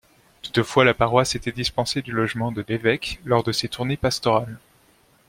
Toutefois, la paroisse était dispensée du logement de l'évêque lors de ses tournées pastorales.